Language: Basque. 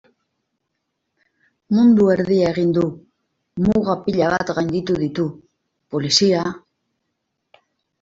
Mundu erdia egin du, muga pila bat gainditu ditu, polizia...